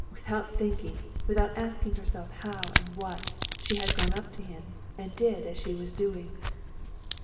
Without thinking, without asking herself how and what, she had gone up to him, and did as she was doing.